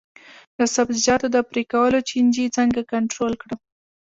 د سبزیجاتو د پرې کولو چینجي څنګه کنټرول کړم؟